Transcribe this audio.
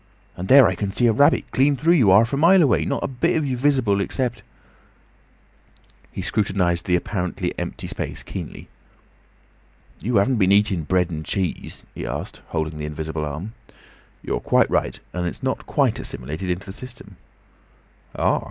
—And there I can see a rabbit clean through you, 'arf a mile away! Not a bit of you visible—except—" He scrutinised the apparently empty space keenly. "You 'aven't been eatin' bread and cheese?" he asked, holding the invisible arm. "You're quite right, and it's not quite assimilated into the system." "Ah!"